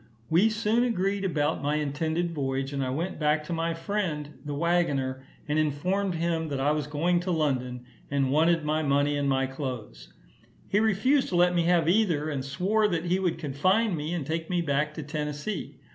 We soon agreed about my intended voyage, and I went back to my friend, the waggoner, and informed him that I was going to London, and wanted my money and my clothes. He refused to let me have either, and swore that he would confine me, and take me back to Tennessee.